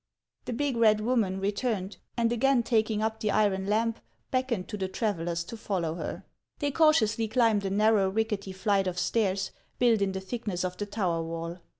The big, red woman returned, and again taking up the iron lamp, beckoned to the travellers to follow her. They cautiously climbed a narrow, rickety flight of stairs built in the thickness of the tower wall.